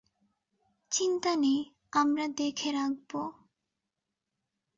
চিন্তা নেই, আমরা দেখে রাখবো।